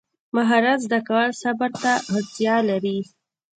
مهارت زده کول صبر ته اړتیا لري.